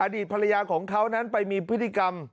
อดีตภรรยาของเขานั้นไปมีพฤติกรรม